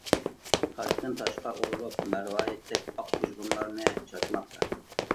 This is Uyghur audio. تاشتىن-تاشقا ئۇرۇلۇپ مەرۋايىتتەك ئاق بۇژغۇنلارنى چاچماقتا.